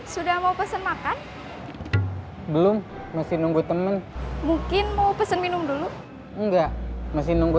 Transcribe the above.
sudah mau pesen makan belum masih nunggu temen mungkin mau pesen minum dulu enggak masih nunggu